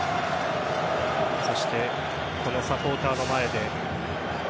そして、このサポーターの前で。